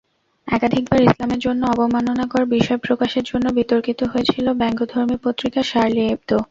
একাধিকবার ইসলামের জন্য অবমাননাকর বিষয় প্রকাশের জন্য বিতর্কিত হয়েছিল ব্যঙ্গধর্মী পত্রিকা শার্লি এবদো।